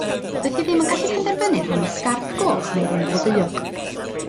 Doedd hi ddim yn gallu penderfynu rhwng y sgarff goch neu'r un flodeuog.